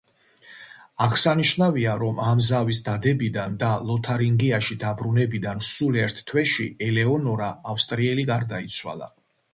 აღსანიშნავია, რომ ამ ზავის დადებიდან და ლოთარინგიაში დაბრუნებიდან სულ ერთ თვეში, ელეანორა ავსტრიელი გარდაიცვალა.